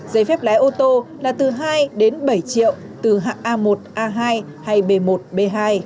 giấy phép lái ô tô là từ hai đến bảy triệu từ hạng a một a hai hay b một b hai